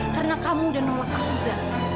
karena kamu udah nolak aku rizah